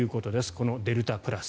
このデルタプラス。